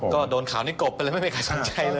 ก็โดนข่าวนี้กบไปเลยไม่มีใครสนใจเลย